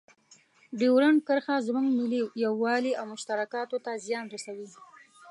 ډیورنډ کرښه زموږ ملي یووالي او مشترکاتو ته زیان رسوي.